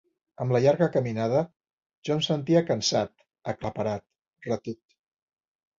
Amb la llarga caminada jo em sentia cansat, aclaparat, retut.